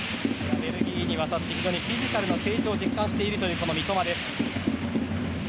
ベルギーに渡って非常にフィジカルの成長を実感しているという三笘です。